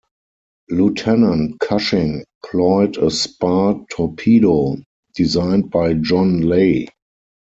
Lieutenant Cushing employed a spar torpedo designed by John Lay.